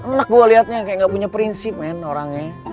enak gue liatnya kayak gak punya prinsip men orangnya